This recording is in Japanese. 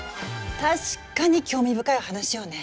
確かに興味深い話よね。